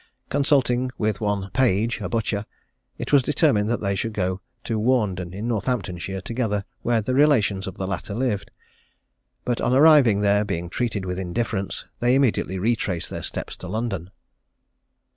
Consulting with one Page, a butcher, it was determined that they should go to Warnden, in Northamptonshire, together where the relations of the latter lived; but on arriving there, being treated with indifference, they immediately retraced their steps to London.